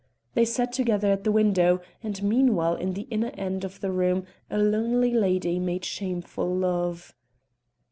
They sat together at the window, and meanwhile in the inner end of the room a lonely lady made shameful love.